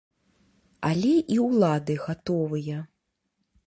Але і ўлады гатовыя.